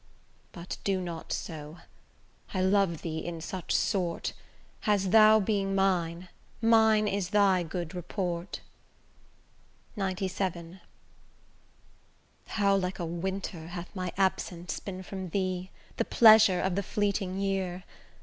But do not so; I love thee in such sort, As, thou being mine, mine is thy good report. XCVII How like a winter hath my absence been From thee, the pleasure of the fleeting year!